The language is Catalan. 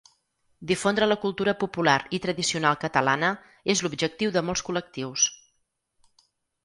Difondre la cultura popular i tradicional catalana és l'objectiu de molts col·lectius.